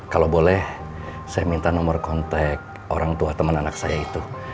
kalau boleh saya minta nomor kontak orang tua teman anak saya itu